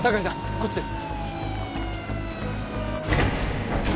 こっちです！